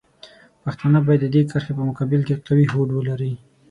پښتانه باید د دې کرښې په مقابل کې قوي هوډ ولري.